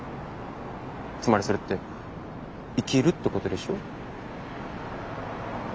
つまりそれって生きるってことでしょ。